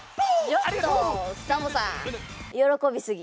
ちょっとサボさんよろこびすぎ。